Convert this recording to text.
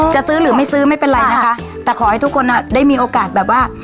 จะซื้อหรือไม่ซื้อไม่เป็นไรนะคะแต่ขอให้ทุกคนได้มีโอกาสแบบว่า